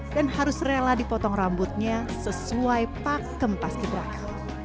dan harus rela dipotong rambutnya sesuai pakem paski berangka